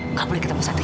nggak boleh ketemu satria